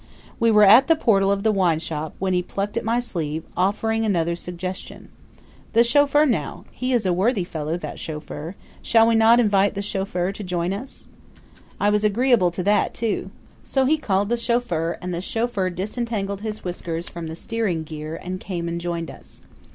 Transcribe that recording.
We were at the portal of the wine shop, when he plucked at my sleeve, offering another suggestion: "The chauffeur now he is a worthy fellow, that chauffeur. Shall we not invite the chauffeur to join us?" I was agreeable to that, too. So he called the chauffeur and the chauffeur disentangled his whiskers from the steering gear and came and joined us.